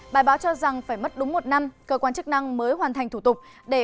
bài báo cho rằng phải mất đúng một năm cơ quan chức năng mới hoàn thành thủ tục để